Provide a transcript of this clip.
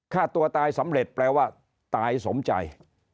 ฆ่าตัวตายสำเร็จแปลว่าตายสมใจ